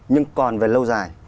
nhưng còn về lâu dài